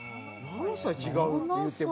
７歳違うっていうても。